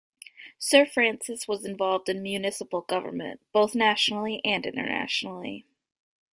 Sir Francis was involved in municipal government both nationally and internationally.